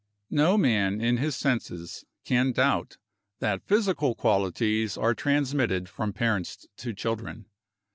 No man in his senses can doubt that physical qualities are transmitted from parents to children.